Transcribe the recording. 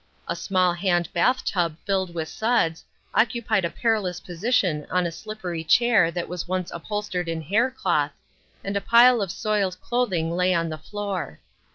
A small hand bath tub filled with suds, occupied a perilous position on a slippery chair that was once upholstered in hair cloth, and a pile of soiled clothing lay on the floor.